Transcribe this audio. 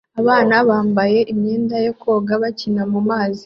Abana bambaye imyenda yo koga bakina mumazi